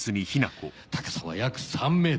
高さは約３ｍ。